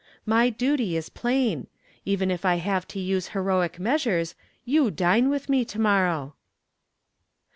My duty is plain. Even if I have to use heroic measures, you dine with me to morrow."